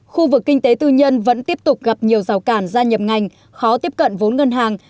khu vực kinh tế tư nhân vẫn tiếp tục gặp nhiều rào cản gia nhập ngành khó tiếp cận vốn ngân hàng